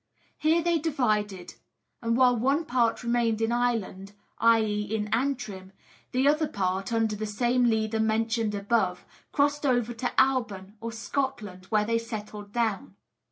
Here they divided: and while one part remained in Ireland (i.e., in Antrim), the other part, under the same leader mentioned above, crossed over to Alban or Scotland, where they settled down.